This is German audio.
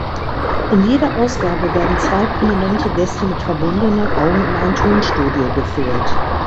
In jeder Ausgabe werden zwei prominente Gäste mit verbundenen Augen in ein Tonstudio geführt.